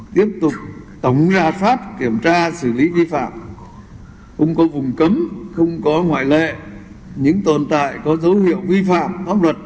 tiếp tục tổng ra soát kiểm tra xử lý vi phạm không có vùng cấm không có ngoại lệ những tồn tại có dấu hiệu vi phạm pháp luật